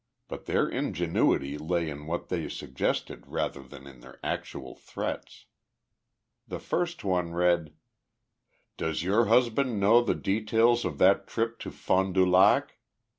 But their ingenuity lay in what they suggested rather than in their actual threats. The first one read: Does your husband know the details of that trip to Fond du Lac?